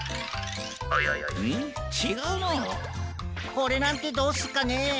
これなんてどうっすかね。